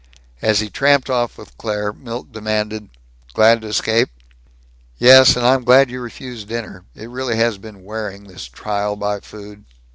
As he tramped off with Claire, Milt demanded, "Glad to escape?" "Yes, and I'm glad you refused dinner. It really has been wearing, this trial by food."